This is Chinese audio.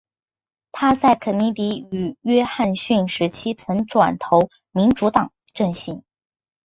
她在肯尼迪和约翰逊时期曾转投民主党阵型。